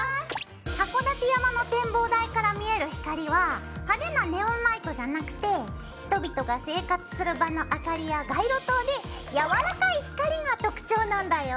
函館山の展望台から見える光は派手なネオンライトじゃなくて人々が生活する場の明かりや街路灯でやわらかい光が特徴なんだよ。